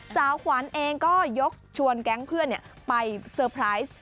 สาวขวัญเองก็ยกชวนแก๊งเพื่อนไปเซอร์ไพรส์